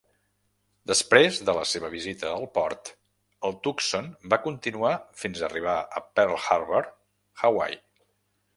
Després de la seva visita al port, el Tucson va continuar fins arribar a Pearl Harbor, Hawaii.